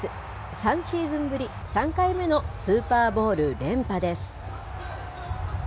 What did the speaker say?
３シーズンぶり３回目のスーパーボウル連覇です。